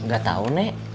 gak tahu nek